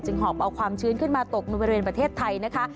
หอบเอาความชื้นขึ้นมาตกในบริเวณประเทศไทยนะคะ